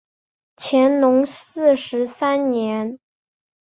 乾隆四十三年。